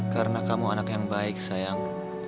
karena kamu anak yang baik sayang